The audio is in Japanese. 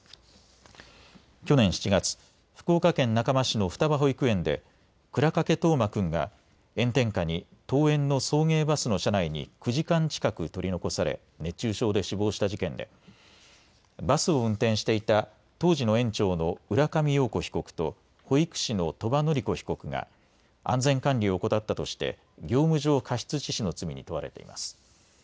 去年７月、福岡県中間市の双葉保育園で倉掛冬生君が炎天下に登園の送迎バスの車内に９時間近く取り残され熱中症で死亡した事件でバスを運転していた当時の園長の浦上陽子被告と保育士の鳥羽詞子被告が安全管理を怠ったとして業務上過失致死の罪に問われています。